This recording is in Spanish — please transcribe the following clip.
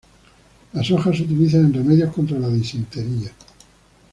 Las hojas se utilizan en remedios contra la disentería.